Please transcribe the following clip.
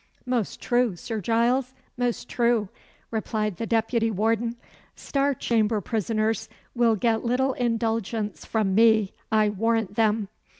"Most true, Sir Giles, most true!" replied the deputy warden. "Star Chamber prisoners will get little indulgence from me, I warrant them."